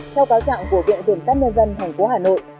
theo cáo trạng của viện kiểm soát nhân dân thành phố hà nội